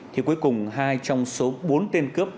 thì cuối cùng hai trong số bốn tên cướp